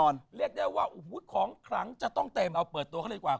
เรียกได้ว่าโอ้โหของขลังจะต้องเต็มเอาเปิดตัวเขาเลยกว่า